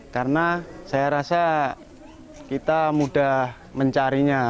karena saya rasa kita mudah mencarinya